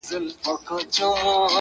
ما په ژړغوني اواز دا يــوه گـيـله وكړه~